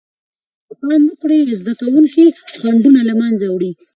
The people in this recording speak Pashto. که پام ورکړل سي، زده کوونکي خنډونه له منځه وړي.